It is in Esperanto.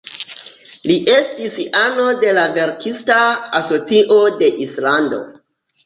Li estis ano de la verkista asocio de Islando.